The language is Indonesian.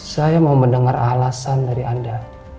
saya mau mendengar alasan dari anda